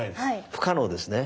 不可能ですね？